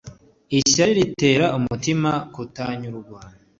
ishyari ritera umutima kutanyurwa